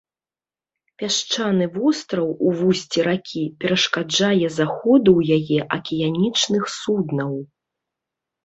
Пясчаны востраў у вусці ракі перашкаджае заходу ў яе акіянічных суднаў.